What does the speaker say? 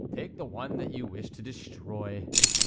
"Take the one that you wish to destroy."